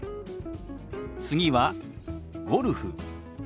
次は「ゴルフ」。